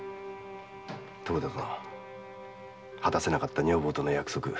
果たせなかった女房との約束